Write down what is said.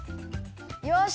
よし！